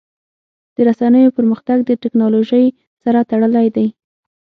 د رسنیو پرمختګ د ټکنالوژۍ سره تړلی دی.